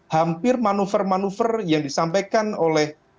hampir manuver manuver yang disampaikan oleh